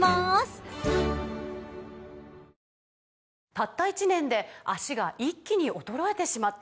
「たった１年で脚が一気に衰えてしまった」